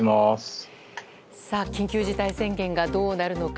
緊急事態宣言がどうなるのか。